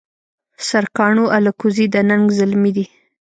سرکاڼو الکوزي د ننګ زلمي دي